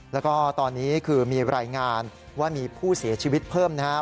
แล้วก็ตอนนี้คือมีรายงานว่ามีผู้เสียชีวิตเพิ่มนะครับ